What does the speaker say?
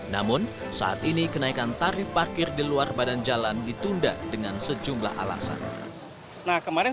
namun saat ini kenaikan tarif parkir di luar badan jalan ditunda dengan sejumlah alasan nah kemarin